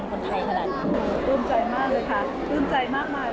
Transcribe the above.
อุ้มใจมากเลยค่ะอุ้มใจมากมาย